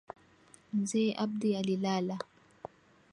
Mzee Abdi alilala.